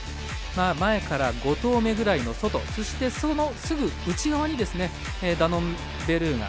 前から５頭目ぐらいの外そしてすぐ内側にダノンベルーガ